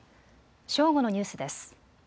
正午のニュースです。